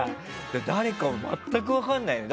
誰かも全く分からないんだよね。